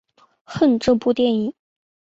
恨这部电影！